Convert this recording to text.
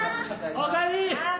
おかえり！